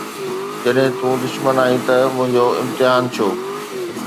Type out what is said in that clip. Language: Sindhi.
جڏهن تون دشمن آهين ته منهنجو امتحان ڇو؟